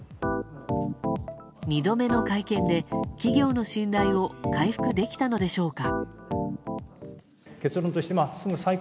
２度目の会見で、企業の信頼を回復できたのでしょうか。